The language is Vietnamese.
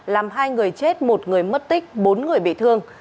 làm hai người chết một người mất tích bốn người bị thương